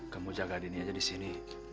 kamu jaga denny aja disini